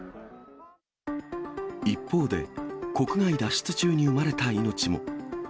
一方で、国外脱出中に生まれた命も。